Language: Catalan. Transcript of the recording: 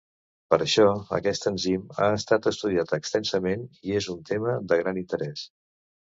Per això, aquest enzim ha estat estudiat extensament i és un tema de gran interès.